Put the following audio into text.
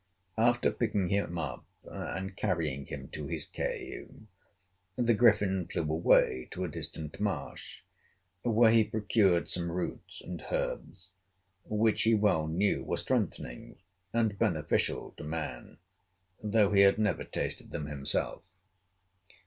After picking him up and carrying him to his cave, the Griffin flew away to a distant marsh, where he procured some roots and herbs which he well knew were strengthening and beneficial to man, though he had never tasted them himself.